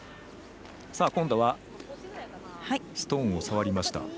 今度はストーンを触りました。